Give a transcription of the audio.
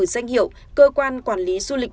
danh hiệu cơ quan quản lý du lịch